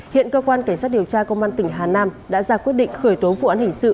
hiện cơ quan cảnh sát điều tra công an tỉnh hà nam đã ra quyết định khởi tố vụ án hình sự